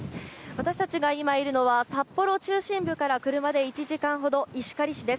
私たちが今いるのは、札幌中心部から車で１時間ほど、石狩市です。